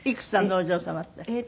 お嬢様って。